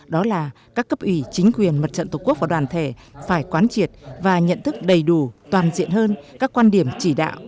đó là các cấp ủy chính quyền mặt trận tổ quốc và đoàn thể phải quán triệt và nhận thức đầy đủ toàn diện hơn các quan điểm chỉ đạo